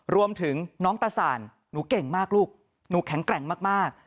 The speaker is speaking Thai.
รวมถึงน้องตาสานหนูเก่งมากลูกหนูแข็งแกร่งมาก